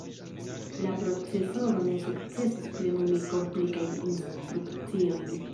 La procesoro ne sukcesos plenumi komplikajn instrukciojn.